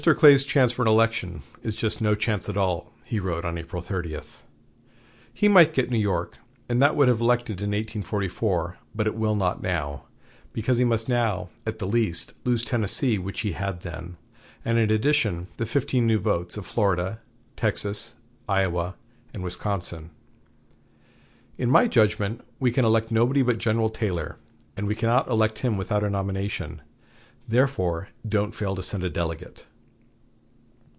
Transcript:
Clay's chance for an election is just no chance at all," he wrote on April 30. "He might get New York, and that would have elected in 1844, but it will not now, because he must now, at the least, lose Tennessee which he had then, and in addition the fifteen new votes of Florida, Texas, Iowa, and Wisconsin.... In my judgment, we can elect nobody but General Taylor; and we cannot elect him without a nomination. Therefore don't fail to send a delegate."